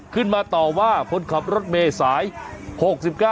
ขึ้นมาต่อว่าคนขับรถเมย์สาย๖๙